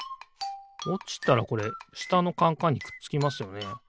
おちたらこれしたのカンカンにくっつきますよね。